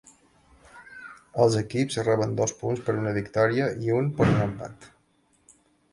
Els equips reben dos punts per una victòria i un per un empat.